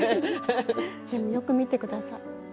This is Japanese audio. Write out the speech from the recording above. でもよく見て下さい。